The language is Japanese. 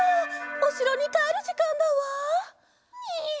おしろにかえるじかんだわ。にゅ。